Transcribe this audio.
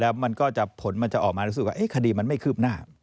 แล้วก็ผลมันจะออกมารู้สึกว่าคดีมันไม่คืบหน้า